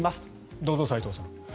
どうぞ、斎藤さん。